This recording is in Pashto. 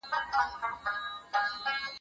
د کلي هوا پاکه او تازه ده.